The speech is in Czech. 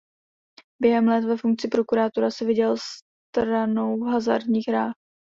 Během let ve funkci prokurátora si vydělával stranou v hazardních hrách.